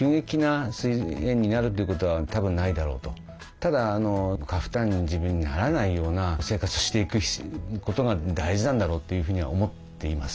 ただ過負担に自分にならないような生活をしていくことが大事なんだろうっていうふうには思っています。